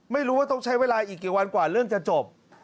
ไม่รู้ว่าต้องใช้เวลาอีกกี่วันกว่าเรื่องจะจบ